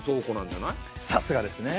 さすがですね。